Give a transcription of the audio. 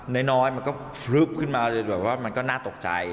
น้อยมันก็ฟลึ๊บขึ้นมามันก็น่าตกใจ